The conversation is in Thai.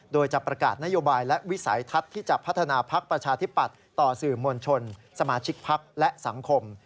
โดยจะประกาศนโยบายและวิสัยทัศน์ที่จะพัฒนาพักประชาธิปัตย์ต่อสื่อมวลชนสมาชิกพักและสังคม